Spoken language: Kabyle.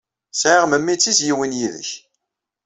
Sɛiɣ memmi d tizzyiwin yid-k.